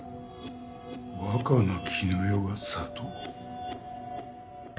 若菜絹代が砂糖？